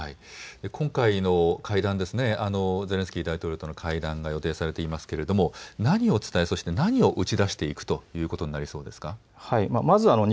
今回、ゼレンスキー大統領との会談が予定されていますが何を伝え、そして何を打ち出していくということになりそうですか。